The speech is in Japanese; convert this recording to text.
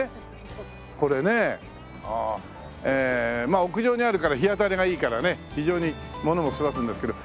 まあ屋上にあるから日当たりがいいからね非常にものも育つんですけど。